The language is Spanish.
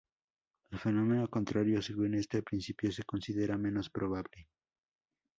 El fenómeno contrario, según este principio, se considera menos probable.